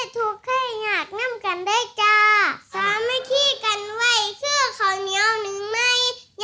เดร์เด็นเดี๋ยวเดี๋ยว